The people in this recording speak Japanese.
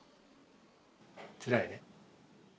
つらいね。